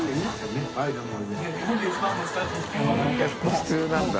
普通なんだ。